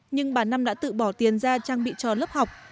nhưng bà năm đã tự bỏ tiền ra trang bị cho lớp học